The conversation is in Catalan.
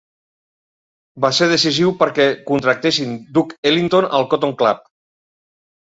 Va ser decisiu perquè contractessin Duke Ellington al Cotton Club.